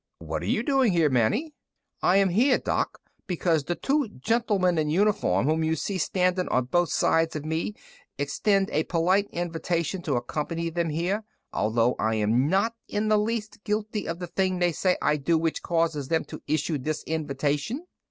"What are you doing here, Manny?" "I am here, Doc, because the two gentlemen in uniform whom you see standing on both sides of me extend a polite invitation to accompany them here, although I am not in the least guilty of the thing they say I do which causes them to issue this invitation."